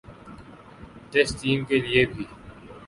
test team کے لیے بھی